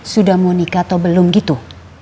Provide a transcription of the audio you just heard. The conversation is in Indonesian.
sudah mau nikah atau belum gitu